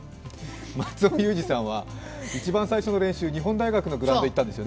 松尾さんは一番最初の練習、日本大学のグラウンドに行ったんですよね。